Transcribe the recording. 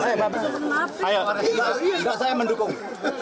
bapak ini mendukung